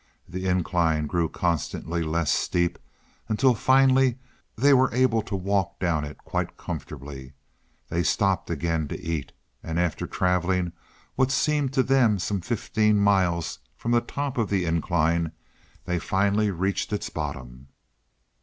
The incline grew constantly less steep, until finally they were able to walk down it quite comfortably. They stopped again to eat, and after traveling what seemed to them some fifteen miles from the top of the incline they finally reached its bottom.